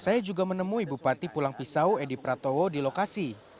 saya juga menemui bupati pulang pisau edi pratowo di lokasi